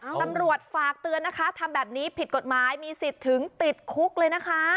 ตำรวจฝากเตือนนะคะทำแบบนี้ผิดกฎหมายมีสิทธิ์ถึงติดคุกเลยนะคะ